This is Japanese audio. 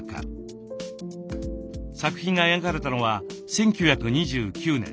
作品が描かれたのは１９２９年。